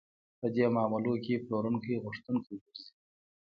په دې معاملو کې پلورونکی غوښتونکی ګرځي